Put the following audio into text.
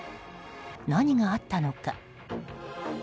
何があったのか。